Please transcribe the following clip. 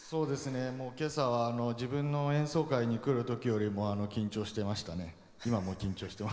今朝は自分の演奏会に来る時よりも緊張していました。